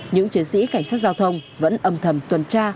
những chiến sĩ cảnh sát giao thông vẫn âm thầm tuần tra